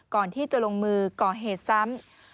ก่อนที่จะลงมือก่อเหตุซ้ำ